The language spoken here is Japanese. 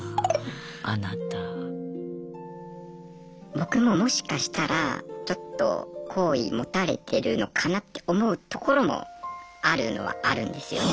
僕ももしかしたらちょっと好意持たれてるのかなって思うところもあるのはあるんですよね。